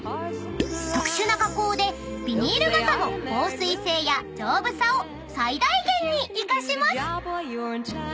［特殊な加工でビニール傘の防水性や丈夫さを最大限に生かします］